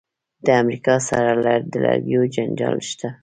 د امریکا سره د لرګیو جنجال شته.